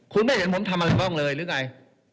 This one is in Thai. คุณไม่เห็นผมทำอะไรบ้างเลยหรือไง